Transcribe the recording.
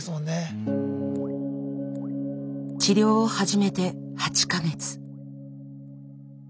治療を始めて８か月。